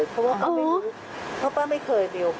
ปลาดูรายการนี้ก่อน